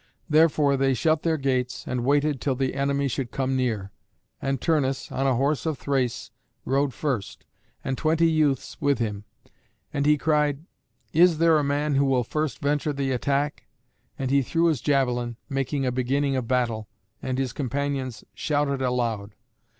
Therefore they shut their gates, and waited till the enemy should come near. And Turnus, on a horse of Thrace, rode first, and twenty youths with him; and he cried, "Is there a man who will first venture the attack?" and he threw his javelin, making a beginning of battle, and his companions shouted aloud.